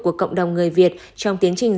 của cộng đồng người việt trong tiến trình